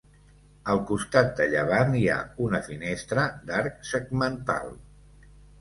Al costat de llevant hi ha una finestra d'arc segmental.